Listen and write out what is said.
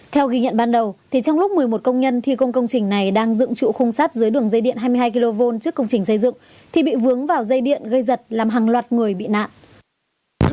theo ghi nhận ban đầu trong lúc một mươi một công nhân thi công công trình này đang dựng trụ khung sắt dưới đường dây điện hai mươi hai kv trước công trình xây dựng thì bị vướng vào dây điện gây giật làm hàng loạt người bị nạn